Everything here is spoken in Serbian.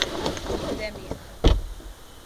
Где ми је?